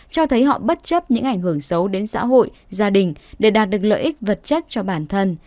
cho thấy họ bất chấp những ảnh hưởng xấu đến xã hội gia đình để đạt được lợi ích vật chất cho bản thân